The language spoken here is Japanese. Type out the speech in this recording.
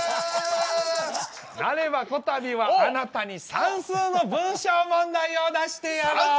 なればこたびはあなたに算数の文章問題を出してやろう。